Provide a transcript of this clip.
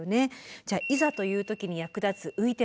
じゃあいざという時に役立つ「ういてまて」。